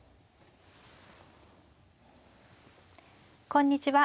こんにちは。